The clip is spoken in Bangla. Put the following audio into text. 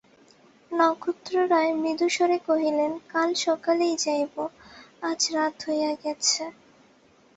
নক্ষত্ররায় মৃদুস্বরে কহিলেন, কাল সকালেই যাইব, আজ রাত হইয়া গেছে।